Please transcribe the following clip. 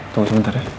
tunggu sebentar ya